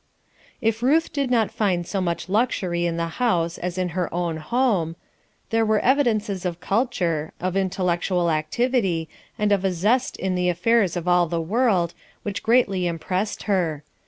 If Ruth did not find so much luxury in the house as in her own home, there were evidences of culture, of intellectual activity and of a zest in the affairs of all the world, which greatly impressed her.